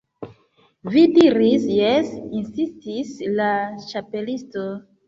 "Vi diris 'jes'" insistis la Ĉapelisto.